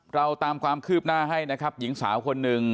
เราตามความคืบหน้าให้นะครับหญิงสาวคนหนึ่ง